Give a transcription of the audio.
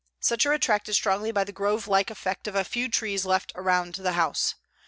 Such are attracted strongly by the grove like effect of a few trees left around the house.